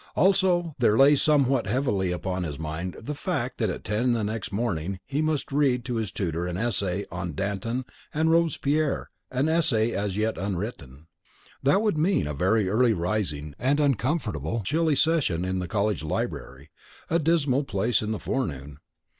Also there lay somewhat heavily on his mind the fact that at ten the next morning he must read to his tutor an essay on "Danton and Robespierre," an essay as yet unwritten. That would mean a very early rising and an uncomfortable chilly session in the college library, a dismal place in the forenoon.